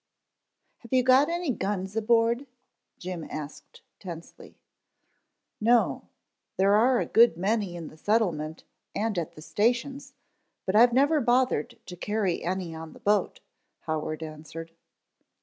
"Have you got any guns aboard?" Jim asked tensely. "No. There are a good many in the settlement and at the stations, but I've never bothered to carry any on the boat," Howard answered.